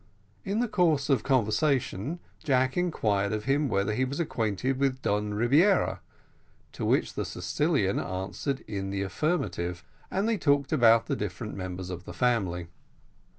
In the course of conversation Jack inquired of him whether he was acquainted with Don Rebiera, to which the Sicilian answered in the affirmative, and they talked about the different members of the family.